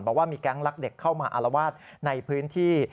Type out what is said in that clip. บอกว่ามีแก๊งลักเด็กเข้ามาอารวาสในพื้นที่